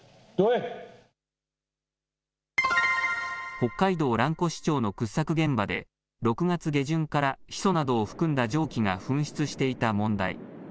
北海道蘭越町の掘削現場で、６月下旬から、ヒ素などを含んだ蒸気が噴出していた問題。